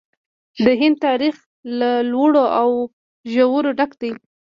د هند تاریخ له لوړو او ژورو ډک دی.